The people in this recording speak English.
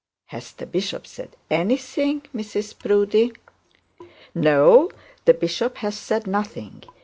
'Has the bishop said anything, Mrs Proudie?' 'No, the bishop has said nothing.